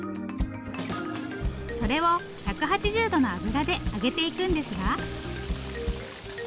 それを１８０度の油で揚げていくんですが。